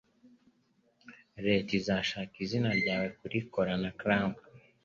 Leta izashakisha izina ryawe kuri cola na clamp